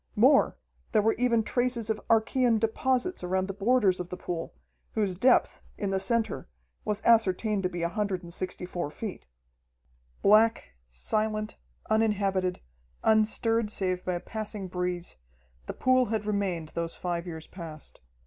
More, there were even traces of archaean deposits around the borders of the pool, whose depth, in the center, was ascertained to be 164 feet. Black, silent, uninhabited, unstirred save by a passing breeze, the pool had remained those five years past.